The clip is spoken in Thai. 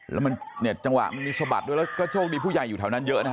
แล้วมันเนี่ยจังหวะมันมีสะบัดด้วยแล้วก็โชคดีผู้ใหญ่อยู่แถวนั้นเยอะนะฮะ